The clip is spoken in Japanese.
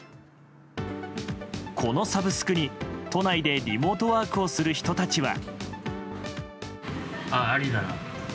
このサブスクに都内でリモートワークをする人たちは。